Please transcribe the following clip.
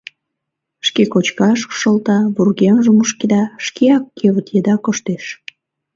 Шке кочкаш шолта, вургемжым мушкеда, шкеак кевыт еда коштеш.